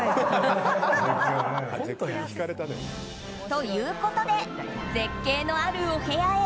ということで絶景のあるお部屋へ。